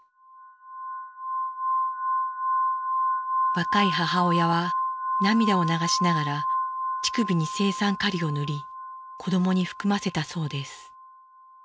若い母親は涙を流しながら乳首に青酸カリを塗り子どもに含ませたそうです。